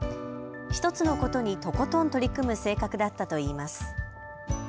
一つのことにとことん取り組む性格だったといいます。